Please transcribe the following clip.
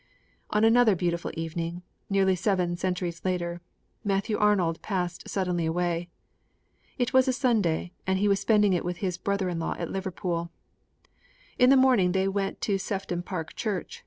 On another beautiful evening, nearly seven centuries later, Matthew Arnold passed suddenly away. It was a Sunday, and he was spending it with his brother in law at Liverpool. In the morning they went to Sefton Park Church.